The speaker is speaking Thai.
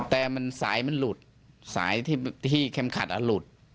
แต่สายมันหลุดสายที่เข้มขัดหลุด